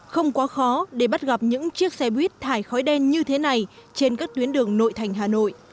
không quá khó để bắt gặp những chiếc xe buýt thải khói đen như thế này trên các tuyến đường nội thành hà nội